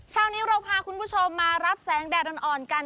เช้านี้เราพาคุณผู้ชมมารับแสงแดดอ่อนกัน